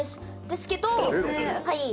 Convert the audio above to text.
ですけどはい。